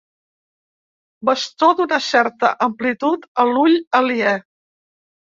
Bastó d'una certa amplitud a l'ull aliè.